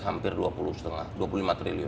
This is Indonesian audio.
hampir dua puluh lima dua puluh lima triliun